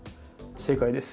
正解です。